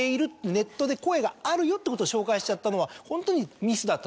ネットで声があるよってことを紹介しちゃったのはホントにミスだったと。